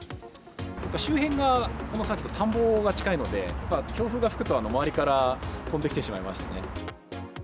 周辺が、田んぼが近いので、強風が吹くと周りから飛んできてしまいましてね。